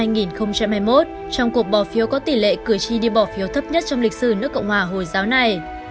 trong cuộc bỏ phiếu có tỷ lệ cử tri đi bỏ phiếu thấp nhất trong lịch sử nước cộng hòa hồi giáo này